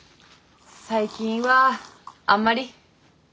最近はあんまり。